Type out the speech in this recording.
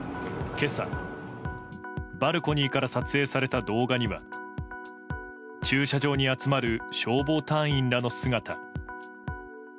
今朝、バルコニーから撮影された動画には。駐車場に集まる消防隊員らの姿。